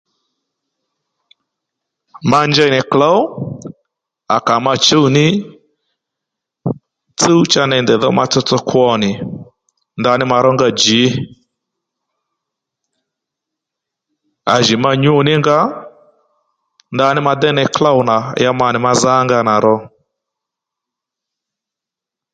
Ma njey nì klǒw à kà ma chùw ò ní tsúw cha ney ndey dho ma tsotso kwo nì ndaní ma rónga jǐ à jì ma nyǔ ò ní nga ndaní ma déy ney klôw na ya ma nì ma zánga nà ro